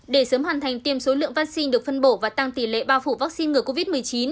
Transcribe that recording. để sớm hoàn thành tiêm số lượng vaccine được phân bổ và tăng tỷ lệ bao phủ vaccine ngừa covid một mươi chín